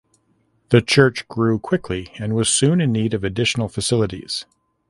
The church grew quickly and was soon in need of additional facilities.